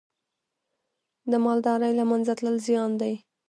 د مالدارۍ له منځه تلل زیان دی.